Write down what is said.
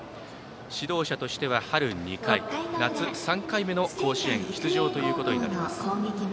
指導者としては春２回、夏３回目の甲子園出場となります。